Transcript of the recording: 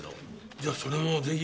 じゃあそれもぜひ。